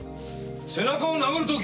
背中を殴る時。